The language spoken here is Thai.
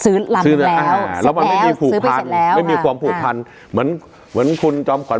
ซื้อลำแล้วแล้วมันไม่มีความผูกพันไม่มีความผูกพันเหมือนเหมือนคุณจอมขวัญ